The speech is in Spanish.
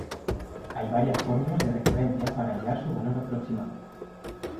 Hay varias fórmulas de recurrencia para hallar su valor aproximado.